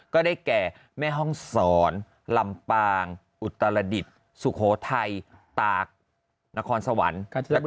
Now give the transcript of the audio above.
ก็ได้แก่แม่ห้องศรลำปางอุตรดิษฐ์สุโขทัยตากนครสวรรค์